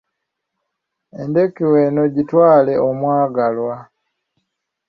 Endeku eno, gitwale, omwagalwa!